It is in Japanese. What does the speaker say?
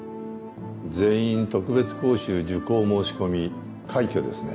全員特別講習受講申し込み快挙ですね。